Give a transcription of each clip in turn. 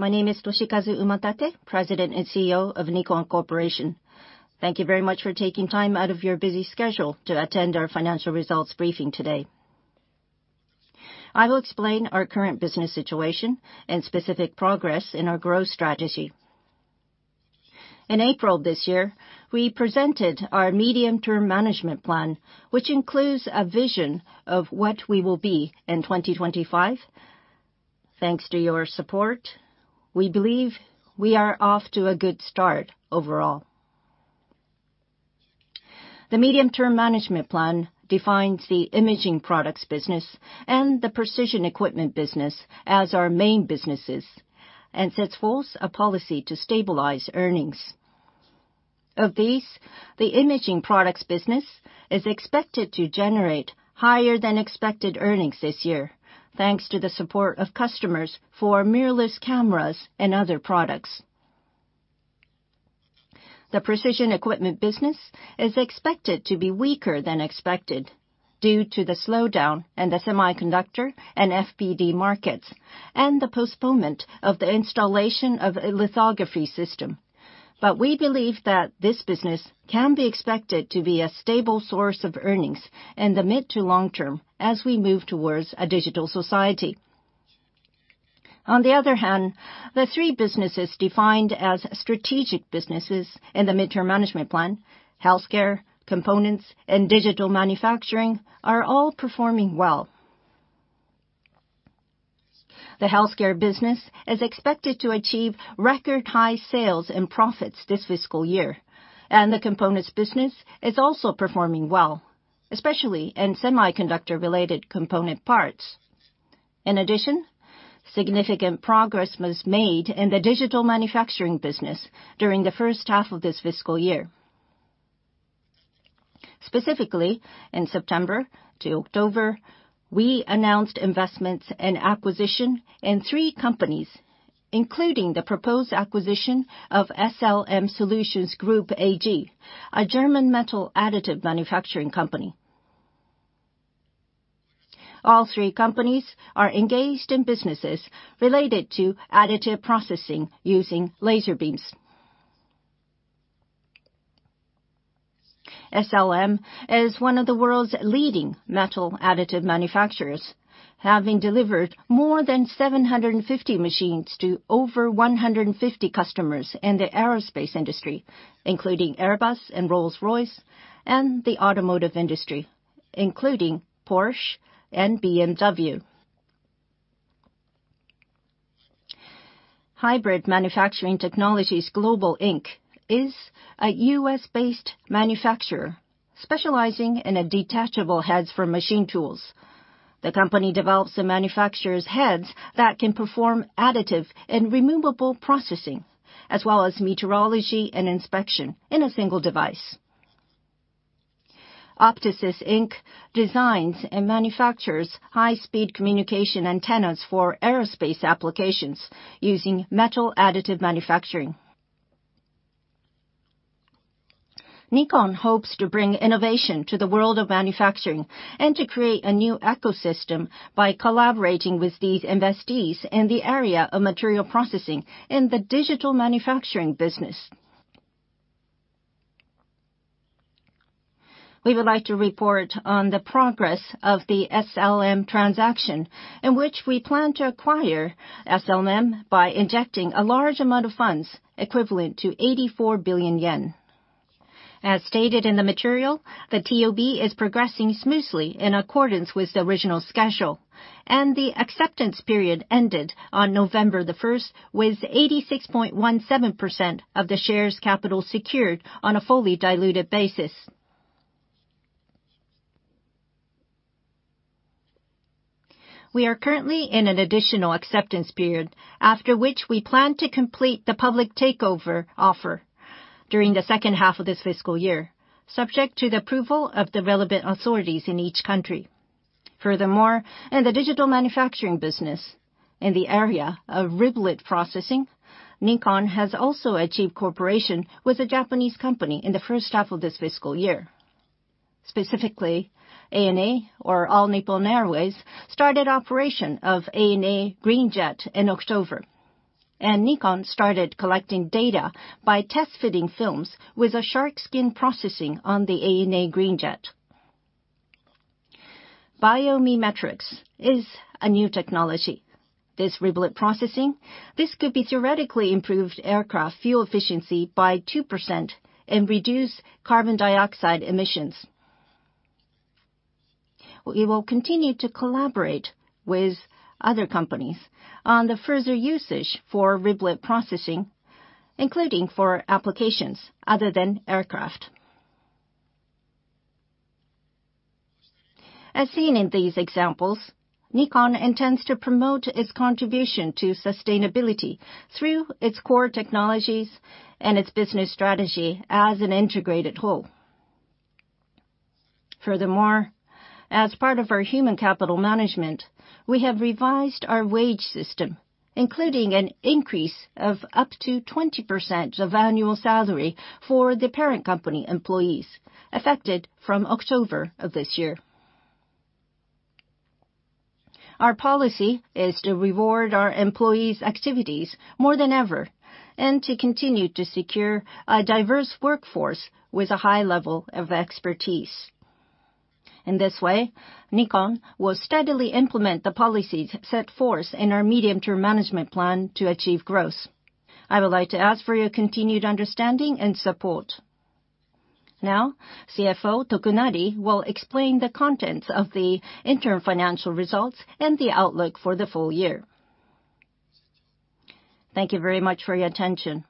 My name is Toshikazu Umatate, President and CEO of Nikon Corporation. Thank you very much for taking time out of your busy schedule to attend our financial results briefing today. I will explain our current business situation and specific progress in our growth strategy. In April this year, we presented our medium-term management plan, which includes a vision of what we will be in 2025. Thanks to your support, we believe we are off to a good start overall. The medium-term management plan defines the imaging products business and the precision equipment business as our main businesses and sets forth a policy to stabilize earnings. Of these, the imaging products business is expected to generate higher than expected earnings this year, thanks to the support of customers for mirrorless cameras and other products. The Precision Equipment business is expected to be weaker than expected due to the slowdown in the semiconductor and FPD markets and the postponement of the installation of a lithography system. We believe that this business can be expected to be a stable source of earnings in the mid to long term as we move towards a digital society. On the other hand, the three businesses defined as strategic businesses in the midterm management plan, Healthcare, Components, and Digital Manufacturing, are all performing well. The Healthcare business is expected to achieve record high sales and profits this fiscal year, and the Components business is also performing well, especially in semiconductor-related component parts. In addition, significant progress was made in the Digital Manufacturing business during the first half of this fiscal year. Specifically, in September to October, we announced investments and acquisition in three companies, including the proposed acquisition of SLM Solutions Group AG, a German metal additive manufacturing company. All three companies are engaged in businesses related to additive processing using laser beams. SLM is one of the world's leading metal additive manufacturers, having delivered more than 750 machines to over 150 customers in the aerospace industry, including Airbus and Rolls-Royce, and the automotive industry, including Porsche and BMW. Hybrid Manufacturing Technologies Global Inc. is a US-based manufacturer specializing in detachable heads for machine tools. The company develops and manufactures heads that can perform additive and subtractive processing, as well as metrology and inspection in a single device. Optisys, Inc. designs and manufactures high-speed communication antennas for aerospace applications using metal additive manufacturing. Nikon hopes to bring innovation to the world of manufacturing and to create a new ecosystem by collaborating with these investees in the area of material processing in the digital manufacturing business. We would like to report on the progress of the SLM transaction in which we plan to acquire SLM by injecting a large amount of funds equivalent to 84 billion yen. As stated in the material, the TOB is progressing smoothly in accordance with the original schedule, and the acceptance period ended on November 1st with 86.17% of the share capital secured on a fully diluted basis. We are currently in an additional acceptance period, after which we plan to complete the public takeover offer during the second half of this fiscal year, subject to the approval of the relevant authorities in each country. Furthermore, in the digital manufacturing business, in the area of riblet processing, Nikon has also achieved cooperation with a Japanese company in the first half of this fiscal year. Specifically, ANA, or All Nippon Airways, started operation of ANA Green Jet in October, and Nikon started collecting data by test fitting films with a shark skin processing on the ANA Green Jet. This riblet processing could theoretically improve aircraft fuel efficiency by 2% and reduce carbon dioxide emissions. We will continue to collaborate with other companies on the further usage for riblet processing, including for applications other than aircraft. As seen in these examples, Nikon intends to promote its contribution to sustainability through its core technologies and its business strategy as an integrated whole. Furthermore, as part of our human capital management, we have revised our wage system, including an increase of up to 20% of annual salary for the parent company employees affected from October of this year. Our policy is to reward our employees' activities more than ever and to continue to secure a diverse workforce with a high level of expertise. In this way, Nikon will steadily implement the policies set forth in our medium-term management plan to achieve growth. I would like to ask for your continued understanding and support. Now, CFO Tokunari will explain the contents of the interim financial results and the outlook for the full year. Thank you very much for your attention.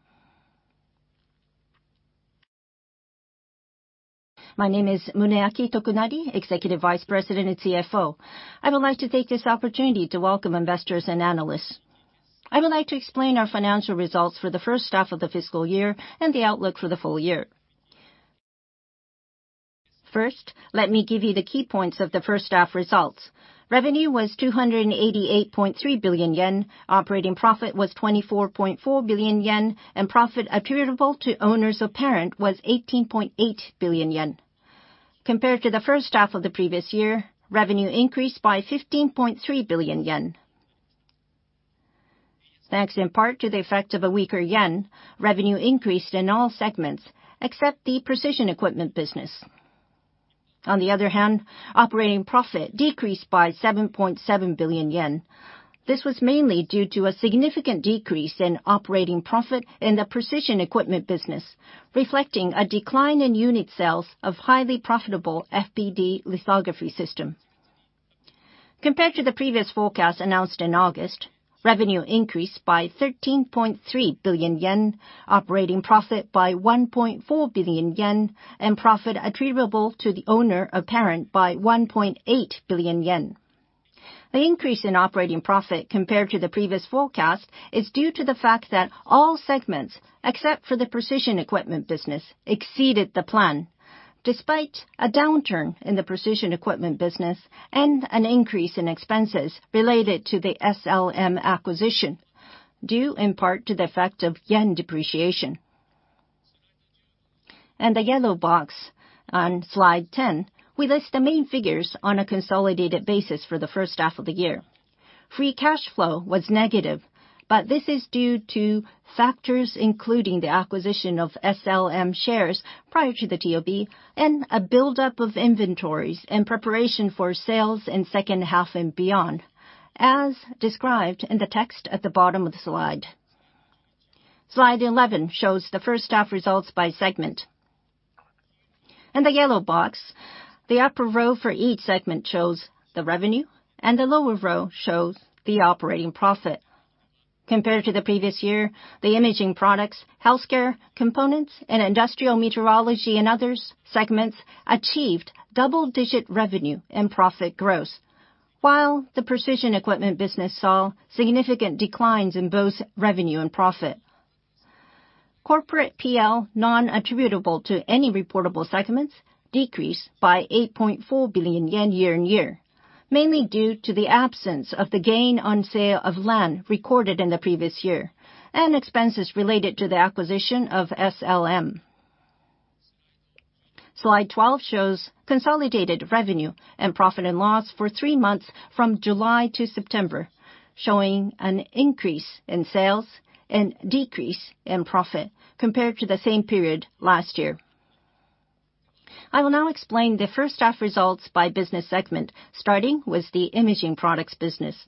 My name is Muneaki Tokunari, Executive Vice President and CFO. I would like to take this opportunity to welcome investors and analysts. I would like to explain our financial results for the first half of the fiscal year and the outlook for the full year. First, let me give you the key points of the first half results. Revenue was 288.3 billion yen. Operating profit was 24.4 billion yen, and profit attributable to owners of parent was 18.8 billion yen. Compared to the first half of the previous year, revenue increased by 15.3 billion yen. Thanks in part to the effect of a weaker yen, revenue increased in all segments except the Precision Equipment business. On the other hand, operating profit decreased by 7.7 billion yen. This was mainly due to a significant decrease in operating profit in the Precision Equipment business, reflecting a decline in unit sales of highly profitable FPD lithography system. Compared to the previous forecast announced in August, revenue increased by 13.3 billion yen, operating profit by 1.4 billion yen, and profit attributable to the owner of parent by 1.8 billion yen. The increase in operating profit compared to the previous forecast is due to the fact that all segments, except for the Precision Equipment business, exceeded the plan despite a downturn in the Precision Equipment business and an increase in expenses related to the SLM acquisition, due in part to the effect of yen depreciation. In the yellow box on slide 10, we list the main figures on a consolidated basis for the first half of the year. Free cash flow was negative, but this is due to factors including the acquisition of SLM shares prior to the TOB and a buildup of inventories in preparation for sales in second half and beyond, as described in the text at the bottom of the slide. Slide 11 shows the first half results by segment. In the yellow box, the upper row for each segment shows the revenue and the lower row shows the operating profit. Compared to the previous year, the Imaging Products, Healthcare, Components, and Industrial Metrology and Others segments achieved double-digit revenue and profit growth, while the Precision Equipment business saw significant declines in both revenue and profit. Corporate P&L non-attributable to any reportable segments decreased by 8.4 billion yen year-on-year, mainly due to the absence of the gain on sale of land recorded in the previous year and expenses related to the acquisition of SLM. Slide 12 shows consolidated revenue and profit and loss for three months from July to September, showing an increase in sales and decrease in profit compared to the same period last year. I will now explain the first half results by business segment, starting with the Imaging Products business.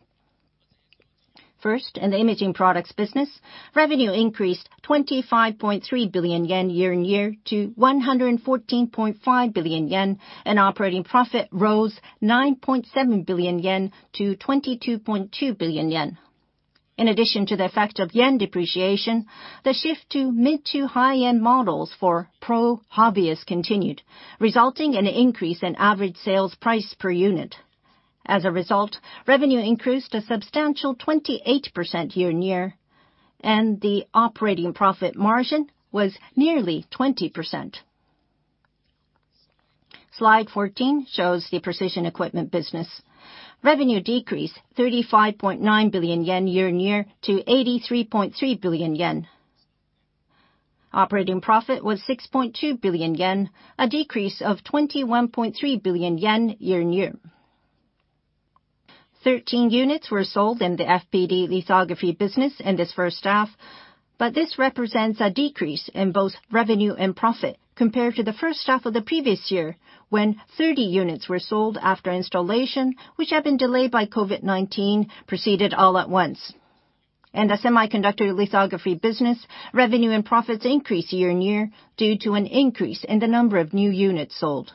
First, in the Imaging Products business, revenue increased 25.3 billion yen year-on-year to 114.5 billion yen, and operating profit rose 9.7 billion-22.2 billion yen. In addition to the effect of yen depreciation, the shift to mid-to-high-end models for pro hobbyists continued, resulting in an increase in average sales price per unit. As a result, revenue increased a substantial 28% year-on-year, and the operating profit margin was nearly 20%. Slide 14 shows the Precision Equipment business. Revenue decreased 35.9 billion yen year-on-year to 83.3 billion yen. Operating profit was 6.2 billion yen, a decrease of 21.3 billion yen year-on-year. 13 units were sold in the FPD lithography business in this first half, but this represents a decrease in both revenue and profit compared to the first half of the previous year, when 30 units were sold after installation, which had been delayed by COVID-19, proceeded all at once. In the semiconductor lithography business, revenue and profits increased year-on-year due to an increase in the number of new units sold.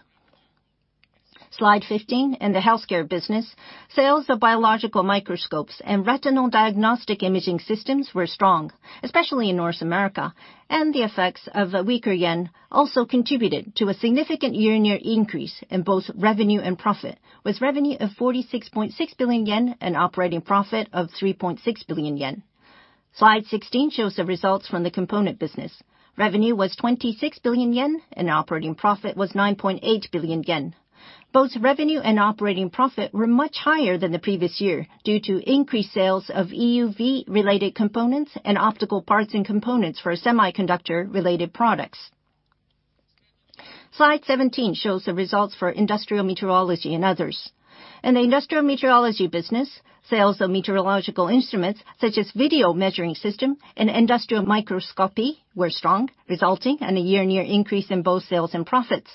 Slide 15, in the healthcare business, sales of biological microscopes and retinal diagnostic imaging systems were strong, especially in North America, and the effects of a weaker yen also contributed to a significant year-on-year increase in both revenue and profit, with revenue of 46.6 billion yen and operating profit of 3.6 billion yen. Slide 16 shows the results from the Components Business. Revenue was 26 billion yen, and operating profit was 9.8 billion yen. Both revenue and operating profit were much higher than the previous year due to increased sales of EUV-related components and optical parts and components for semiconductor-related products. Slide 17 shows the results for industrial metrology and others. In the industrial metrology business, sales of metrological instruments, such as video measuring system and industrial microscopy were strong, resulting in a year-on-year increase in both sales and profits.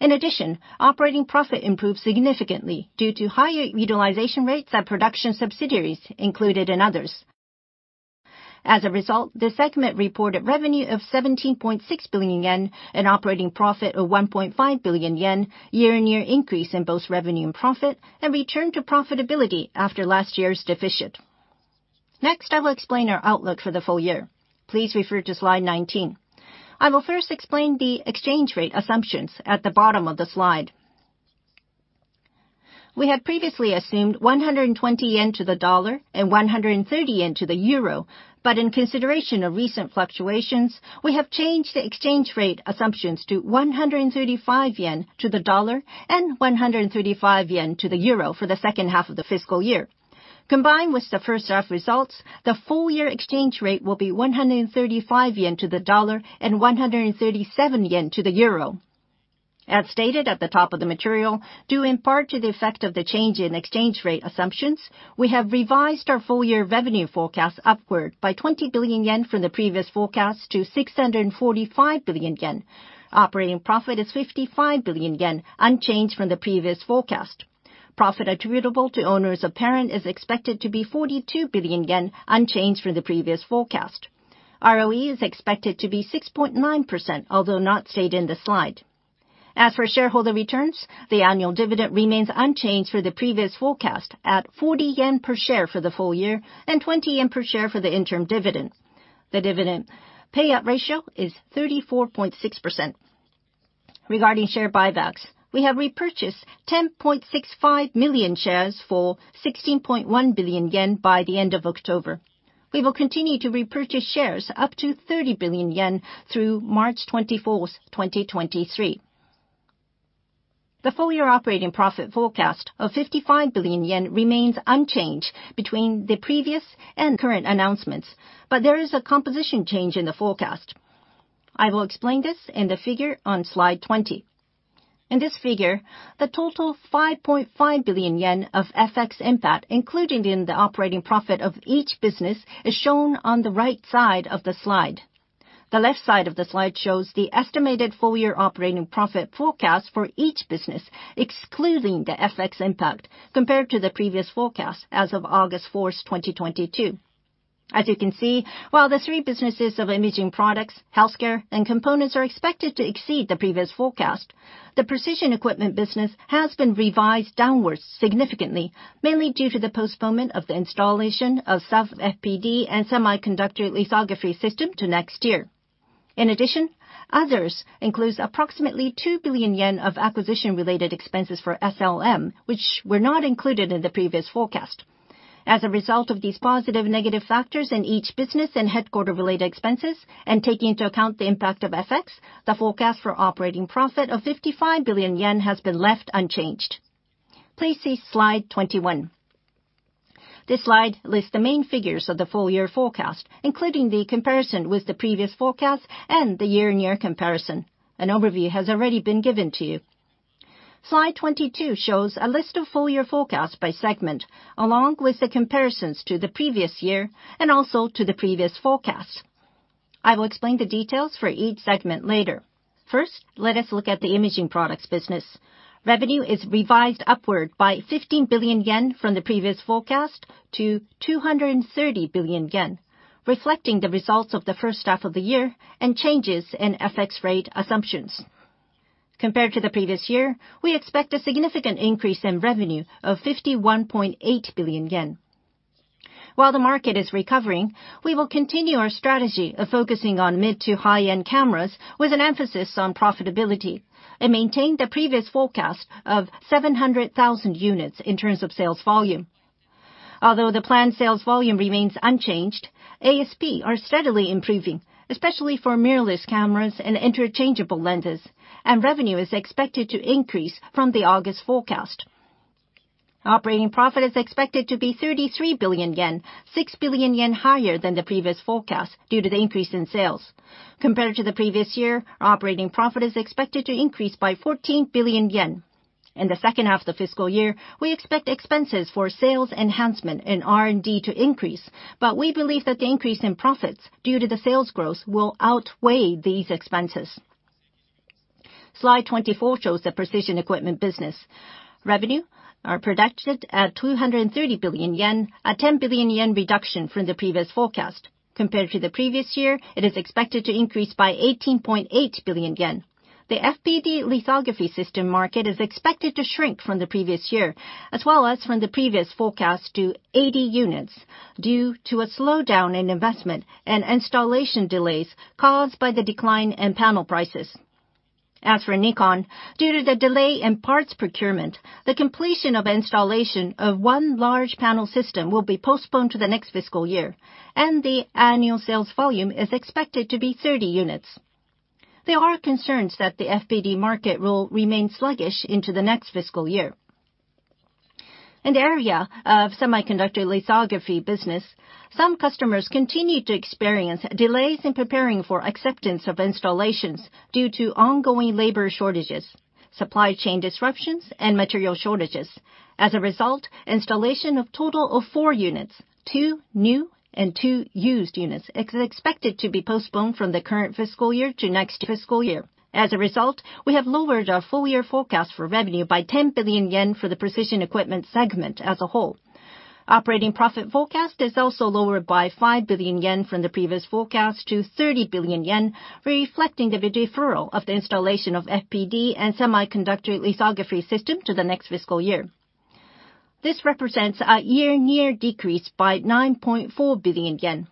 In addition, operating profit improved significantly due to higher utilization rates at production subsidiaries included in others. As a result, the segment reported revenue of 17.6 billion yen, an operating profit of 1.5 billion yen, year-on-year increase in both revenue and profit, and return to profitability after last year's deficit. Next, I will explain our outlook for the full year. Please refer to slide 19. I will first explain the exchange rate assumptions at the bottom of the slide. We have previously assumed 120 yen to the dollar and 130 yen to the euro, but in consideration of recent fluctuations, we have changed the exchange rate assumptions to 135 yen to the dollar and 135 yen to the euro for the second half of the fiscal year. Combined with the first half results, the full year exchange rate will be 135 yen to the dollar and 137 yen to the euro. As stated at the top of the material, due in part to the effect of the change in exchange rate assumptions, we have revised our full year revenue forecast upward by 20 billion yen from the previous forecast to 645 billion yen. Operating profit is 55 billion yen, unchanged from the previous forecast. Profit attributable to owners of parent is expected to be 42 billion yen, unchanged from the previous forecast. ROE is expected to be 6.9%, although not stated in the slide. As for shareholder returns, the annual dividend remains unchanged for the previous forecast at 40 yen per share for the full year and 20 yen per share for the interim dividend. The dividend payout ratio is 34.6%. Regarding share buybacks, we have repurchased 10.65 million shares for 16.1 billion yen by the end of October. We will continue to repurchase shares up to 30 billion yen through March 24th, 2023. The full year operating profit forecast of 55 billion yen remains unchanged between the previous and current announcements, but there is a composition change in the forecast. I will explain this in the figure on slide 20. In this figure, the total 5.5 billion yen of FX impact included in the operating profit of each business is shown on the right side of the slide. The left side of the slide shows the estimated full year operating profit forecast for each business, excluding the FX impact compared to the previous forecast as of August 4th, 2022. As you can see, while the three businesses of Imaging Products, Healthcare, and Components are expected to exceed the previous forecast, the Precision Equipment business has been revised downwards significantly, mainly due to the postponement of the installation of sub-FPD and semiconductor lithography system to next year. In addition, Others includes approximately 2 billion yen of acquisition-related expenses for SLM, which were not included in the previous forecast. As a result of these positive and negative factors in each business and headquarters-related expenses, and taking into account the impact of FX, the forecast for operating profit of 55 billion yen has been left unchanged. Please see slide 21. This slide lists the main figures of the full year forecast, including the comparison with the previous forecast and the year-on-year comparison. An overview has already been given to you. Slide 22 shows a list of full year forecasts by segment, along with the comparisons to the previous year and also to the previous forecast. I will explain the details for each segment later. First, let us look at the Imaging Products business. Revenue is revised upward by 15 billion yen from the previous forecast to 230 billion yen, reflecting the results of the first half of the year and changes in FX rate assumptions. Compared to the previous year, we expect a significant increase in revenue of 51.8 billion yen. While the market is recovering, we will continue our strategy of focusing on mid- to high-end cameras with an emphasis on profitability and maintain the previous forecast of 700,000 units in terms of sales volume. Although the planned sales volume remains unchanged, ASP are steadily improving, especially for mirrorless cameras and interchangeable lenses, and revenue is expected to increase from the August forecast. Operating profit is expected to be 33 billion yen, 6 billion yen higher than the previous forecast due to the increase in sales. Compared to the previous year, operating profit is expected to increase by 14 billion yen. In the second half of the fiscal year, we expect expenses for sales enhancement and R&D to increase, but we believe that the increase in profits due to the sales growth will outweigh these expenses. Slide 24 shows the Precision Equipment business. Revenue are projected at 230 billion yen, a 10 billion yen reduction from the previous forecast. Compared to the previous year, it is expected to increase by 18.8 billion yen. The FPD lithography system market is expected to shrink from the previous year as well as from the previous forecast to 80 units due to a slowdown in investment and installation delays caused by the decline in panel prices. As for Nikon, due to the delay in parts procurement, the completion of installation of one large panel system will be postponed to the next fiscal year, and the annual sales volume is expected to be 30 units. There are concerns that the FPD market will remain sluggish into the next fiscal year. In the area of semiconductor lithography business, some customers continue to experience delays in preparing for acceptance of installations due to ongoing labor shortages, supply chain disruptions, and material shortages. As a result, installation of total of four units, two new and two used units, is expected to be postponed from the current fiscal year to next fiscal year. As a result, we have lowered our full year forecast for revenue by 10 billion yen for the Precision Equipment segment as a whole. Operating profit forecast is also lowered by 5 billion yen from the previous forecast to 30 billion yen, reflecting the deferral of the installation of FPD and semiconductor lithography system to the next fiscal year. This represents a year-over-year decrease by 9.4 billion yen.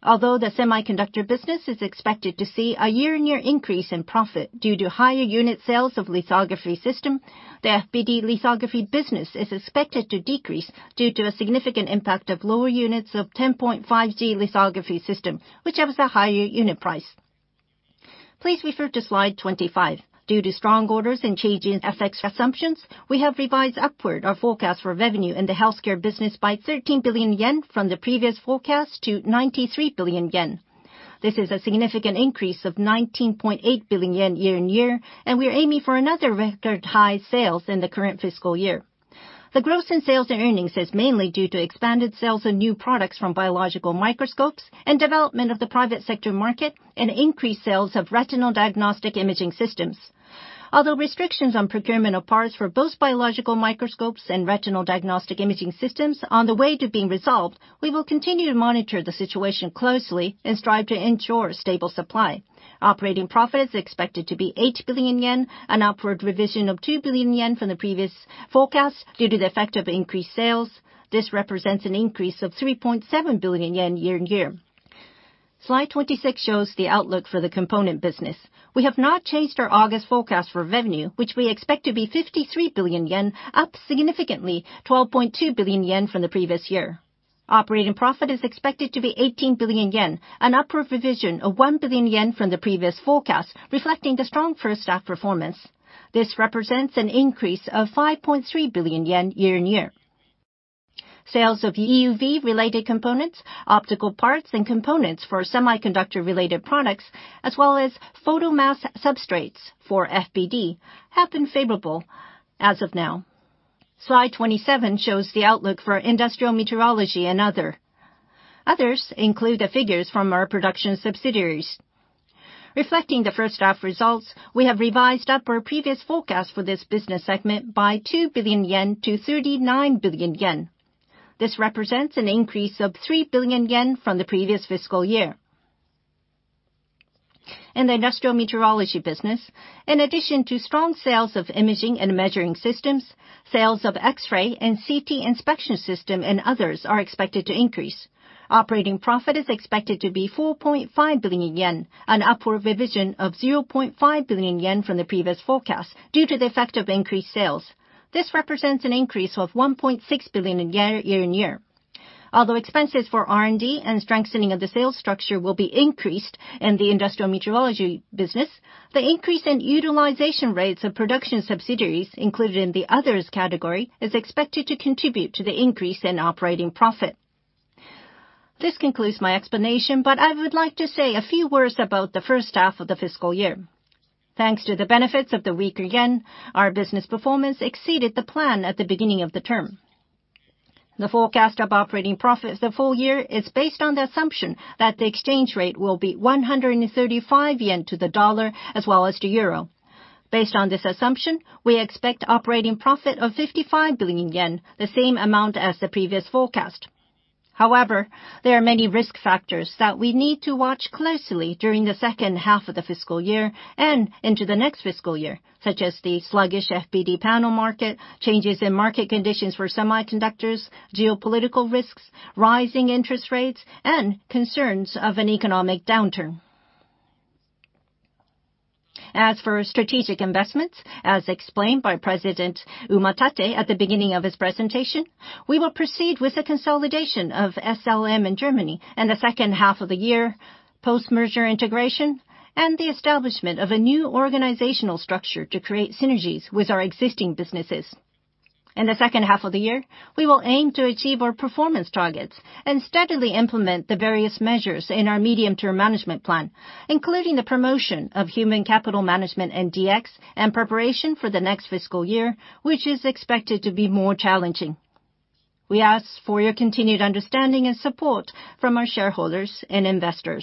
Although the semiconductor business is expected to see a year-over-year increase in profit due to higher unit sales of lithography system, the FPD lithography business is expected to decrease due to a significant impact of lower units of 10.5 G lithography system, which has a higher unit price. Please refer to slide 25. Due to strong orders and change in FX assumptions, we have revised upward our forecast for revenue in the healthcare business by 13 billion yen from the previous forecast to 93 billion yen. This is a significant increase of 19.8 billion yen year-on-year, and we are aiming for another record high sales in the current fiscal year. The growth in sales and earnings is mainly due to expanded sales and new products from biological microscopes and development of the private sector market and increased sales of retinal diagnostic imaging systems. Although restrictions on procurement of parts for both biological microscopes and retinal diagnostic imaging systems are on the way to being resolved, we will continue to monitor the situation closely and strive to ensure stable supply. Operating profit is expected to be 8 billion yen, an upward revision of 2 billion yen from the previous forecast due to the effect of increased sales. This represents an increase of 3.7 billion yen year-on-year. Slide 26 shows the outlook for the Components Business. We have not changed our August forecast for revenue, which we expect to be 53 billion yen, up significantly 12.2 billion yen from the previous year. Operating profit is expected to be 18 billion yen, an upward revision of 1 billion yen from the previous forecast, reflecting the strong first half performance. This represents an increase of 5.3 billion yen year-on-year. Sales of EUV related components, optical parts and components for semiconductor related products, as well as photomask substrates for FPD have been favorable as of now. Slide 27 shows the outlook for industrial metrology and others. Others include the figures from our production subsidiaries. Reflecting the first half results, we have revised up our previous forecast for this business segment by 2 billion-39 billion yen. This represents an increase of 3 billion yen from the previous fiscal year. In the industrial metrology business, in addition to strong sales of imaging and measuring systems, sales of X-ray and CT inspection system and others are expected to increase. Operating profit is expected to be 4.5 billion yen, an upward revision of 0.5 billion yen from the previous forecast due to the effect of increased sales. This represents an increase of 1.6 billion yen year-on-year. Although expenses for R&D and strengthening of the sales structure will be increased in the industrial metrology business, the increase in utilization rates of production subsidiaries included in the others category is expected to contribute to the increase in operating profit. This concludes my explanation, but I would like to say a few words about the first half of the fiscal year. Thanks to the benefits of the weaker yen, our business performance exceeded the plan at the beginning of the term. The forecast of operating profit for the full year is based on the assumption that the exchange rate will be 135 yen to the dollar as well as to the euro. Based on this assumption, we expect operating profit of 55 billion yen, the same amount as the previous forecast. However, there are many risk factors that we need to watch closely during the second half of the fiscal year and into the next fiscal year, such as the sluggish FPD panel market, changes in market conditions for semiconductors, geopolitical risks, rising interest rates, and concerns of an economic downturn. As for strategic investments, as explained by President Umatate at the beginning of his presentation, we will proceed with the consolidation of SLM in Germany in the second half of the year, post-merger integration, and the establishment of a new organizational structure to create synergies with our existing businesses. In the second half of the year, we will aim to achieve our performance targets and steadily implement the various measures in our medium-term management plan, including the promotion of human capital management and DX and preparation for the next fiscal year, which is expected to be more challenging. We ask for your continued understanding and support from our shareholders and investors.